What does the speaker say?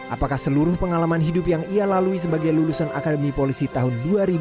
apakah seluruh pengalaman hidup yang ia lalui sebagai lulusan akademi polisi tahun dua ribu dua